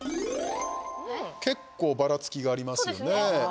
結構ばらつきがありますね。